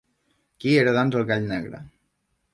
Qui era doncs el Gall Negre.